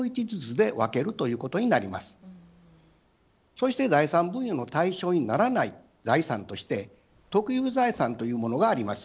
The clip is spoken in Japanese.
そして財産分与の対象にならない財産として「特有財産」というものがあります。